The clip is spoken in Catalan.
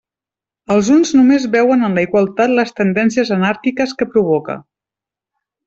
Els uns només veuen en la igualtat les tendències anàrquiques que provoca.